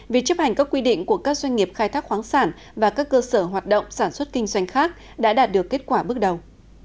việc chấp hành các quy định của các doanh nghiệp khai thác khoáng sản và các cơ sở hoạt động sản xuất kinh doanh khác đã đạt được kết quả bước đầu